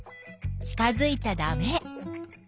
近づいちゃダメ。